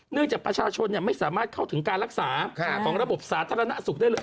จากประชาชนไม่สามารถเข้าถึงการรักษาของระบบสาธารณสุขได้เลย